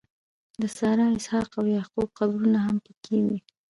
د سارا، اسحاق او یعقوب قبرونه هم په کې دي.